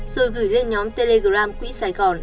rồi gửi lên nhóm telegram quỹ sài gòn